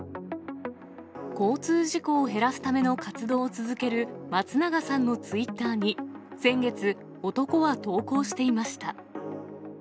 交通事故を減らすための活動を続ける松永さんのツイッターに、先月、男は投稿していました。